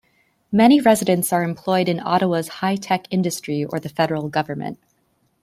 Many residents are employed in Ottawa's high-tech industry or the federal government.